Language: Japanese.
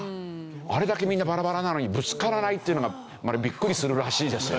あれだけみんなバラバラなのにぶつからないっていうのがビックリするらしいですよ。